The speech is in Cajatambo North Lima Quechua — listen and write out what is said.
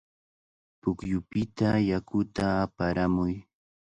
Pukyupita yakuta aparamuy.